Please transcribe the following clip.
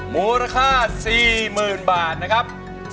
มูลค่า๔๐๐๐บาทนะครับ